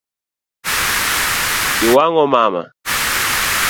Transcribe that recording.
Iwang’o I mama